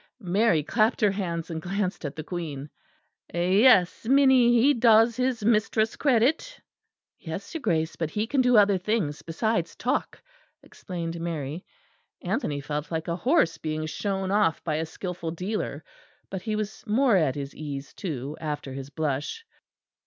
Mary clapped her hands, and glanced at the Queen. "Yes, Minnie; he does his mistress credit." "Yes, your Grace; but he can do other things besides talk," explained Mary. Anthony felt like a horse being shown off by a skilful dealer, but he was more at his ease too after his blush.